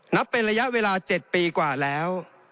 นับเป็นระยะเวลา๗ปีกว่าแล้ว